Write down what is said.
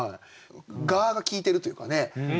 「が」が効いてるというかね。